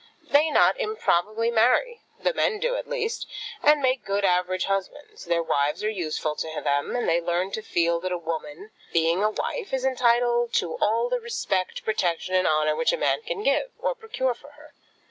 They not improbably marry, the men do, at least, and make good average husbands. Their wives are useful to them, and they learn to feel that a woman, being a wife, is entitled to all the respect, protection, and honour which a man can give, or procure for her.